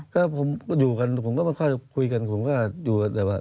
ก็ผมอยู่กันผมก็ไม่ค่อยคุยกันผมก็อยู่กันแต่ว่า